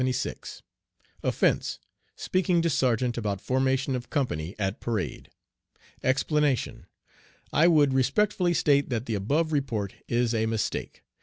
Offense: Speaking to sergeant about formation of company at parade. Explanation: I would respectfully state that the above report is a mistake.